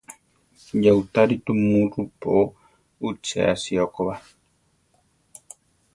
Yáutari tumu rupoo uché sío ko ba.